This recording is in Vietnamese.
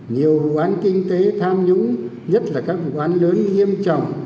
nhiều vụ án kinh tế tham nhũng nhất là các vụ án lớn nghiêm trọng